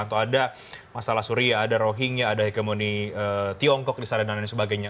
tentu ada masalah syria ada rohingya ada hegemony tiongkok dan lain sebagainya